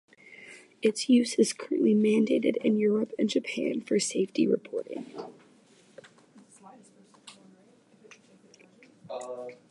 Its use is currently mandated in Europe and Japan for safety reporting.